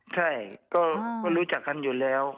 ใช่ก็รู้จักกันอยู่แล้ว